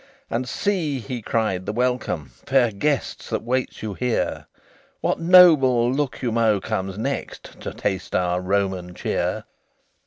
"And see," he cried, "the welcome, Fair guests, that waits you here! What noble Lucomo comes next To taste our Roman cheer?"